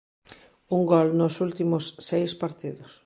Un gol nos últimos seis partidos.